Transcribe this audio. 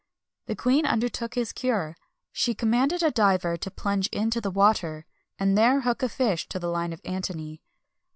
The queen undertook his cure. She commanded a diver to plunge into the water, and there a hook a fish to the line of Antony.